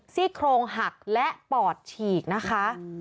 ซี่โครงหักและปอดฉีกนะคะ